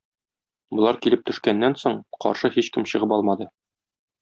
Болар килеп төшкәннән соң, каршы һичкем чыгып алмады.